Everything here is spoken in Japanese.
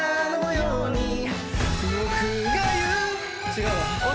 違うわ。